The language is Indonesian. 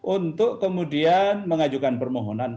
untuk kemudian mengajukan permohonan